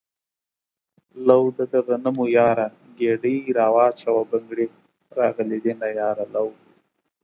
لو ده دغنمو ياره ګيډی را واچوه بنګړي راغلي دينه ياره لو